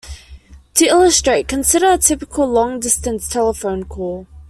To illustrate, consider a typical long-distance telephone call.